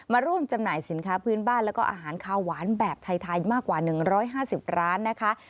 ร่วมจำหน่ายสินค้าพื้นบ้านแล้วก็อาหารคาวหวานแบบไทยมากกว่า๑๕๐ร้านนะคะ